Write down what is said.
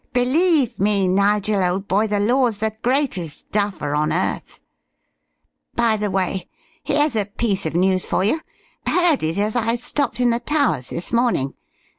Believe me, Nigel, old boy, the Law's the greatest duffer on earth. By the way, here's a piece of news for you! Heard it as I stopped in at the Towers this morning.